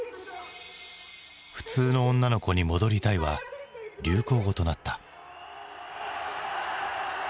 「普通の女の子に戻りたい」は流行語となった。